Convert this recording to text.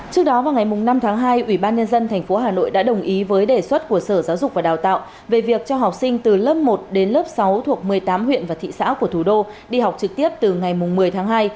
trước đó vào ngày năm tháng hai ủy ban nhân dân tp hà nội đã đồng ý với đề xuất của sở giáo dục và đào tạo về việc cho học sinh từ lớp một đến lớp sáu thuộc một mươi tám huyện và thị xã của thủ đô đi học trực tiếp từ ngày một mươi tháng hai